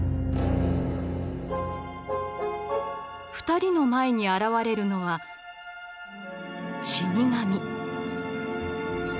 ２人の前に現れるのは死神。